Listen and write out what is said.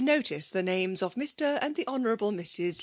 notice the names of Mr. and the Hon. Mrs.